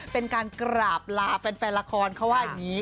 เป็นการกราบลาแฟนละครเขาว่าอย่างนี้